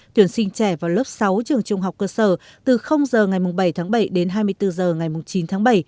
tuyển sinh trẻ vào lớp sáu trường trung học cơ sở từ h ngày bảy tháng bảy đến hai mươi bốn h ngày chín tháng bảy